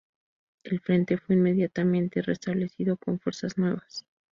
El Frente fue inmediatamente re-establecido con fuerzas nuevas.